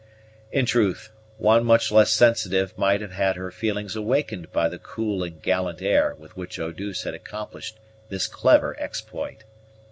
In truth, one much less sensitive might have had her feelings awakened by the cool and gallant air with which Eau douce had accomplished this clever exploit.